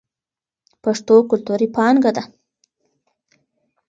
پښتو کلتوري پانګه ده.